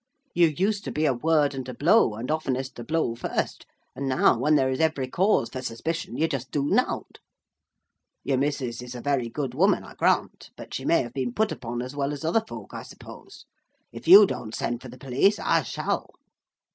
You used to be a word and a blow, and oftenest the blow first; and now, when there is every cause for suspicion, you just do nought. Your missus is a very good woman, I grant; but she may have been put upon as well as other folk, I suppose. If you don't send for the police, I shall."